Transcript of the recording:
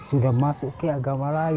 sudah masuk ke agama lain